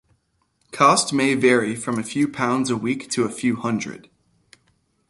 Cost may vary from a few pounds a week to a few hundred.